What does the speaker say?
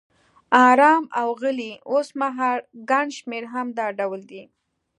آرام او غلی، اوسمهال ګڼ شمېر هم دا ډول دي.